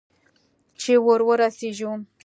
چې ور ورسېږو؟